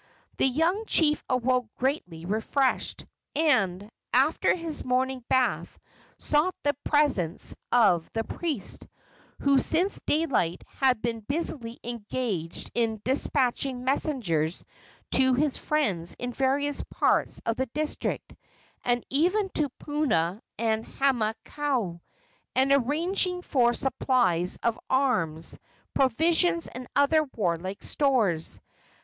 The young chief awoke greatly refreshed, and, after his morning bath, sought the presence of the priest, who since daylight had been busily engaged in despatching messengers to his friends in various parts of the district, and even to Puna and Hamakua, and arranging for supplies of arms, provisions and other warlike stores.